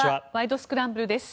スクランブル」です。